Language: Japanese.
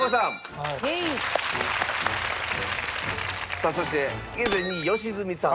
さあそして現在２位良純さん。